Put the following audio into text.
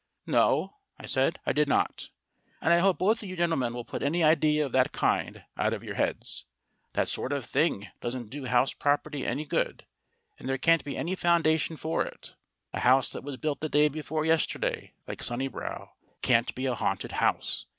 "No," I said, "I did not. And I hope both you gentlemen will put any idea of that kind out of your heads. That sort of thing doesn't do house property any good, and there can't be any foundation for it. A house that was built the day before yesterday, like Sunnibrow, can't be a haunted house.